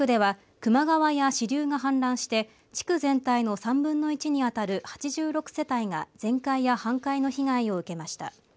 神瀬地区では球磨川や支流が氾濫して地区全体の３分の１に当たる８６世帯が全壊や半壊の被害を受けました。